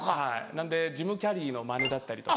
なんでジム・キャリーのマネだったりとか。